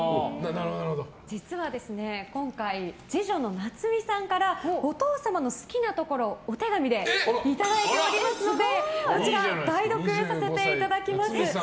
実は、今回次女の名津美さんからお父様の好きなところをお手紙でいただいておりますので代読させていただきます。